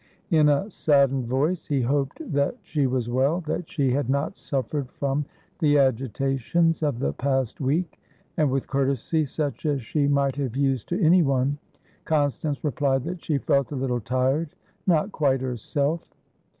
In a saddened voice, he hoped that she was well, that she had not suffered from the agitations of the past week; and, with courtesy such as she might have used to anyone, Constance replied that she felt a little tired, not quite herself.